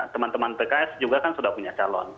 teman teman pks juga kan sudah punya calon